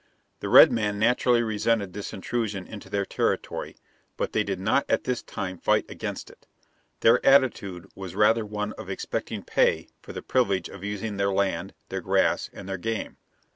The redmen naturally resented this intrusion into their territory; but they did not at this time fight against it. Their attitude was rather one of expecting pay for the privilege of using their land, their grass, and their game.